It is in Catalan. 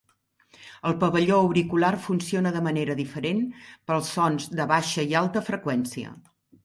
El pavelló auricular funciona de manera diferent per als sons de baixa i alta freqüència.